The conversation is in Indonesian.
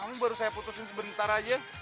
kamu baru saya putusin sebentar aja